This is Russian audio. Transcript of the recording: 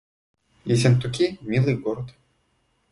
Ессентуки — милый город